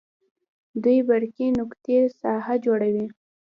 دوې برقي نقطې ساحه جوړوي.